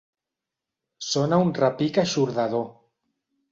Sona un repic eixordador.